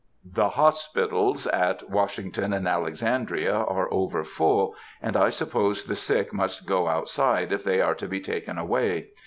The hospitals at Washington and Alexandria are over full, and I suppose the sick must go outside if they are to be taken away.